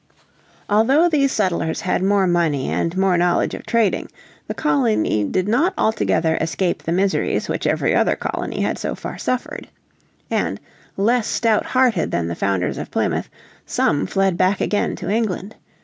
Although these settlers had more money and more knowledge of trading, the colony did not altogether escape the miseries which every other colony had so far suffered. And, less stout hearted than the founders of Plymouth, some fled back again to England.